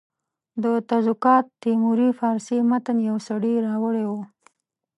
د تزوکات تیموري فارسي متن یو سړي راوړی وو.